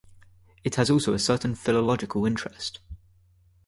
It has also a certain philological interest.